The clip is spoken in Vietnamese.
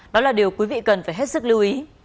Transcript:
đó là điều quý vị cần phải hết sức lưu ý